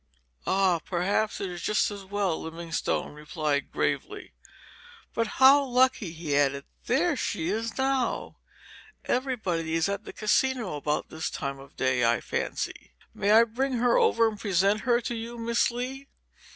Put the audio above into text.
"Ah, perhaps it is just as well," Livingstone replied, gravely. "But how lucky!" he added; "there she is now. Everybody is at the Casino about this time of day, I fancy. May I bring her over and present her to you, Miss Lee?"